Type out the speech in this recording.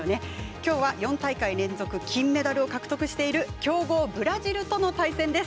きょうは４大会連続金メダルを獲得している強豪ブラジルとの対戦です。